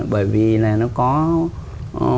bởi vì là nó có